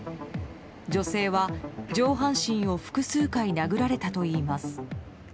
女性は上半身を複数回殴られたといいます。